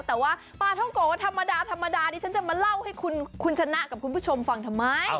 แต่ว่าปลาท่องโกธรรมดาธรรมดาดิฉันจะมาเล่าให้คุณชนะกับคุณผู้ชมฟังทำไม